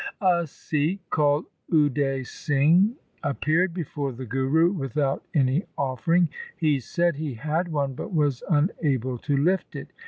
A Sikh called Ude Singh appeared before the Guru without any offering. He said he had one, but was unable to lift it.